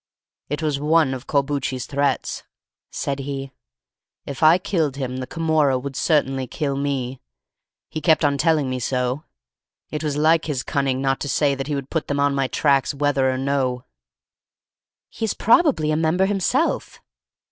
"It was one of Corbucci's threats," said he. "If I killed him the Camorra would certainly kill me; he kept on telling me so; it was like his cunning not to say that he would put them on my tracks whether or no." "He is probably a member himself!"